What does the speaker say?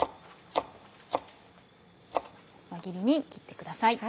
輪切りに切ってください。